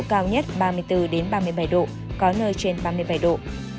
khu vực nam bộ có mây ngày nắng nóng có nơi trên ba mươi bảy độ